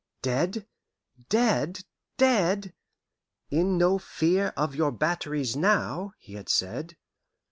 Dead! dead! dead! "In no fear of your batteries now," he had said.